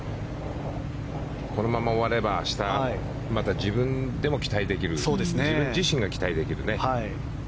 このまま終われば明日また自分でも期待できる自分自身が期待できる。